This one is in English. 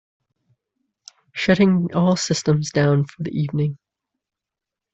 Shutting all systems down for the evening.